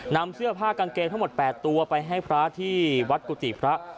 นำเสื้อผ้ากางเกงทั้งหมด๘ตัวไปให้พระที่วัดกุฏิพระ